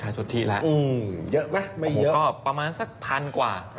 สุทธิแล้วเยอะไหมไม่เยอะก็ประมาณสักพันกว่า